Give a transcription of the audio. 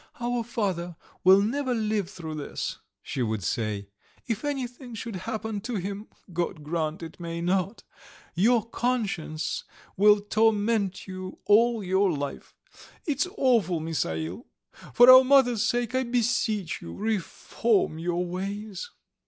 "Our father will never live through this," she would say. "If anything should happen to him God grant it may not your conscience will torment you all your life. It's awful, Misail; for our mother's sake I beseech you: reform your ways."